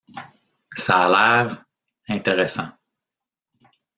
Ça a l’air... intéressant.